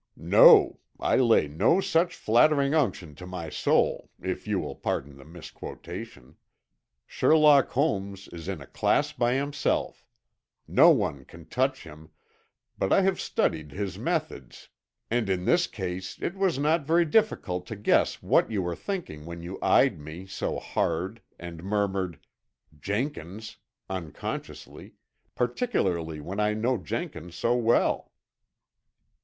"No. I lay no such flattering unction to my soul, if you will pardon the misquotation. Sherlock Holmes is in a class by himself. No one can touch him, but I have studied his methods and in this case it was not very difficult to guess what you were thinking when you eyed me so hard and murmured, 'Jenkins,' unconsciously, particularly when I know Jenkins so well."